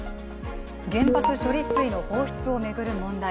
原発処理水の放出を巡る問題。